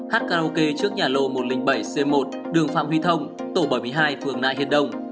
hắt karaoke trước nhà lồ một trăm linh bảy c một đường phạm huy thông tổ bảy mươi hai phường nại hiền đông